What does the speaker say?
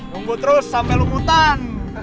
nunggu terus sampe lumutan